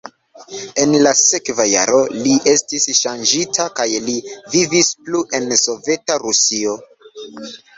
En la sekva jaro li estis ŝanĝita kaj li vivis plu en Soveta Rusio.